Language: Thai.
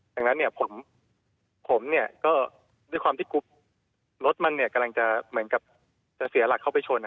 ดังนั้นผมด้วยความที่รถมันกำลังจะเสียหลักเข้าไปชน